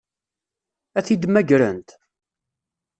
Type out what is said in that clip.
Ad t-id-mmagrent?